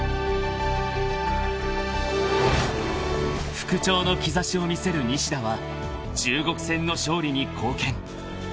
［復調の兆しを見せる西田は中国戦の勝利に貢献］